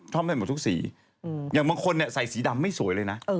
อย่างบางคนเนี่ยใส่สีดำไม่สวยเลยนะ